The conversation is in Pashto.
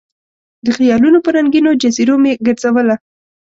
د خیالونو په رنګینو جزیرو مې ګرزوله